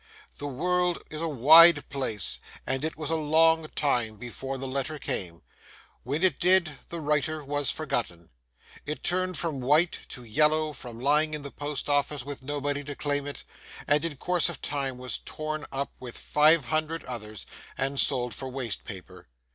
The world is a wide place, and it was a long time before the letter came; when it did, the writer was forgotten. It turned from white to yellow from lying in the Post office with nobody to claim it, and in course of time was torn up with five hundred others, and sold for waste paper.